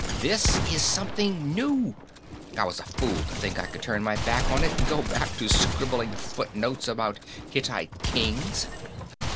This is something new; I was a fool to think I could turn my back on it and go back to scribbling footnotes about Hittite kings."